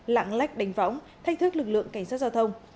lạng lách đánh võng thách thức lực lượng cảnh sát giao thông